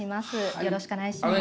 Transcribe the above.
よろしくお願いします。